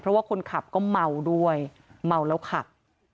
เพราะว่าคนขับก็เมาด้วยเมาแล้วขับ